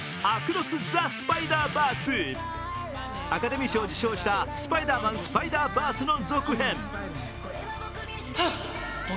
アカデミー賞を受賞した「スパイダーマンスパイダーバース」の続編。